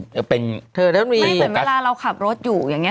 ไม่เป็นเวลาเราขับรถอยู่อย่างนี้